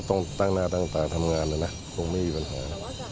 ต้องตั้งหน้าตั้งตาทำงานแล้วนะคงไม่มีปัญหา